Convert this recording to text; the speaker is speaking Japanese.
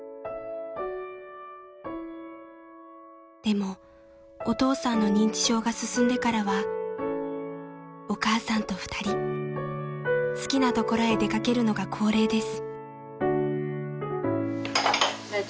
［でもお父さんの認知症が進んでからはお母さんと２人好きな所へ出掛けるのが恒例です］